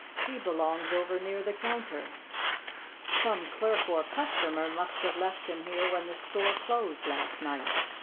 He belongs over near the counter. Some clerk or customer must have left him here when the store closed last night.